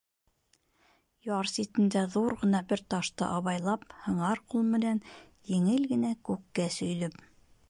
Яр ситендә ҙур ғына бер ташты абайлап һыңар ҡул менән еңел генә күккә сөйҙөм.